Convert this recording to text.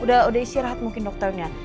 udah istirahat mungkin dokternya